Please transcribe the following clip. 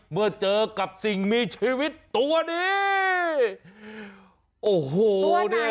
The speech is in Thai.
เมื่อเจอกับสิ่งมีชีวิตตัวนี้